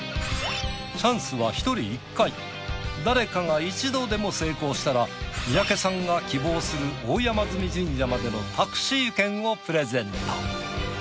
誰かが一度でも成功したら三宅さんが希望する大山神社までのタクシー券をプレゼント。